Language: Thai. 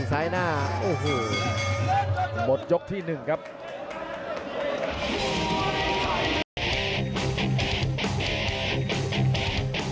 สวัสดิ์นุ่มสตึกชัยโลธสวัสดิ์